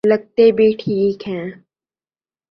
لگتے بھی ٹھیک ہیں۔